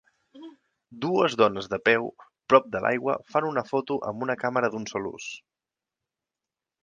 Dues dones de peu prop de l'aigua fan una foto amb una càmera d'un sol ús.